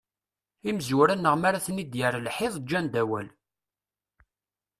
Imezwura-nneɣ mara ten-id-yerr lḥiḍ, ǧǧan-d awal.